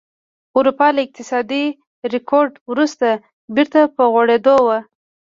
اروپا له اقتصادي رکود وروسته بېرته په غوړېدو وه